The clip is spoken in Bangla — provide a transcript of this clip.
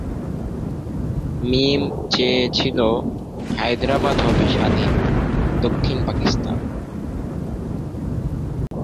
মিম চেয়েছিল, হায়দরাবাদ হবে স্বাধীন ‘দক্ষিণ পাকিস্তান’।